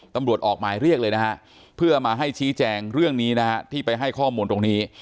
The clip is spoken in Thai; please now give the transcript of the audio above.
ตำรวจออกหมายเรียกเลยนะฮะเพื่อมาให้ชี้แจงเรื่องนี้นะฮะที่ไปให้ข้อมูลตรงนี้